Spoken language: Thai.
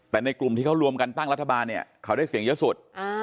แต่ในกลุ่มที่เขารวมกันตั้งรัฐบาลเนี่ยเขาได้เสียงเยอะสุด